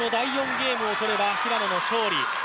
ゲームを取れば平野の勝利。